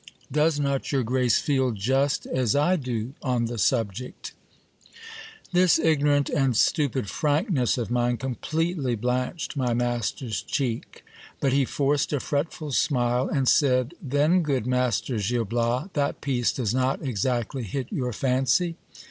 Does not your grace feel just as I do on the subject ? This ignorant and stupid frankness of mine completely blanched my master's cheek ; but he forced a fretful smile, and said — Then, good Master Gil Bias, that piece does not exactly hit your fancy